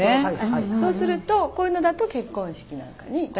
そうするとこういうのだと結婚式なんかに。